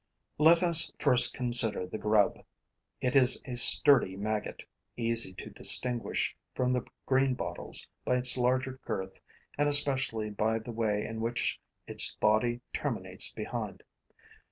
Let us first consider the grub. It is a sturdy maggot, easy to distinguish from the greenbottle's by its larger girth and especially by the way in which its body terminates behind.